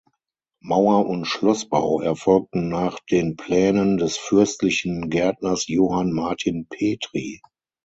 Mauer- und Schlossbau erfolgten nach den Plänen des fürstlichen Gärtners Johann Martin Petri.